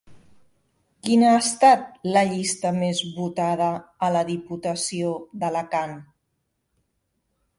Quina ha estat la llista més votada a la Diputació d'Alacant?